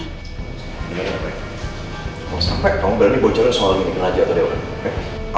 kalau sampai kamu berani bocorin soal ini ke raja atau dewa